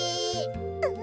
うん。